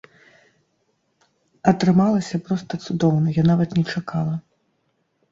Атрымалася проста цудоўна, я нават не чакала.